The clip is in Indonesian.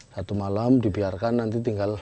satu malam dibiarkan nanti tinggal